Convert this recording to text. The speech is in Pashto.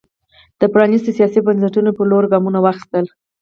د پرانېستو سیاسي بنسټونو پر لور ګامونه واخیستل.